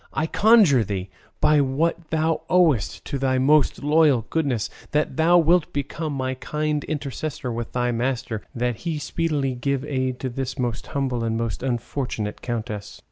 I conjure thee, by what thou owest to thy most loyal goodness, that thou wilt become my kind intercessor with thy master, that he speedily give aid to this most humble and most unfortunate countess."